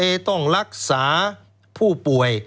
ต้องทุ่มเทต้องรักษาผู้ป่วย